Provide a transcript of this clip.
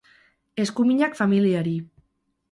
Eskuminak familiari.